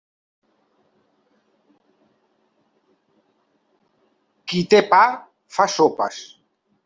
Qui té pa, fa sopes.